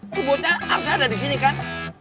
itu bocah arca ada di sini kan